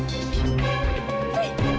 makan makan makan